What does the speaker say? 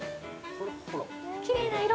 きれいな色。